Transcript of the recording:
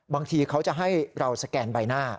บางทีเขาจะให้เราสแกนใบหน้า